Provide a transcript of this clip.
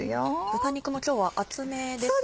豚肉も今日は厚めですね。